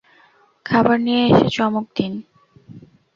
খাবার নিয়ে এসে চমক দিন।